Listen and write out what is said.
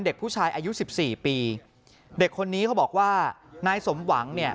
เด็กผู้ชายอายุสิบสี่ปีเด็กคนนี้เขาบอกว่านายสมหวังเนี่ย